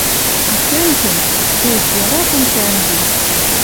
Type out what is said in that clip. А тӹньжӹм... Эх, яратым тӓнгем!..